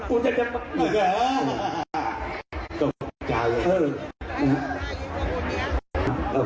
อื้อหือยับ